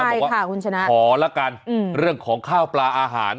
บอกว่าคุณชนะขอละกันเรื่องของข้าวปลาอาหาร